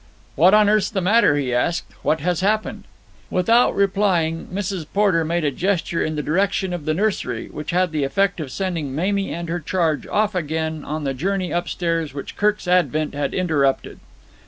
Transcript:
"What on earth's the matter?" he asked. "What has happened?" Without replying, Mrs. Porter made a gesture in the direction of the nursery, which had the effect of sending Mamie and her charge off again on the journey upstairs which Kirk's advent had interrupted.